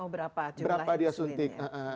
berapa dia suntik